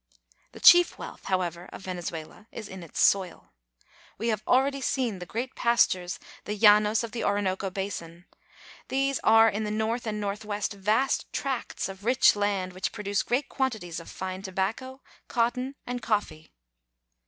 The chief wealth, however, of Venezuela is in its soil. We have already seen the great pastures, the llanos of the Orinoco basin. There are in the north and northwest vast tracts of rich land, which produces great quantities of fine tobacco, cotton, and coffee.